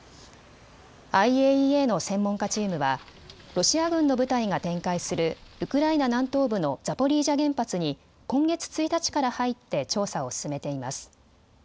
ＩＡＥＡの専門家チームはロシア軍の部隊が展開するウクライナ南東部のザポリージャ原発に今月１日から入って調査を進めています。